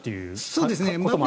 そうですね。